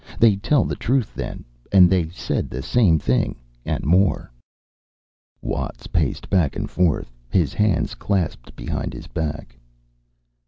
They tell the truth, then. And they said the same thing and more." Watts paced back and forth, his hands clasped behind his back.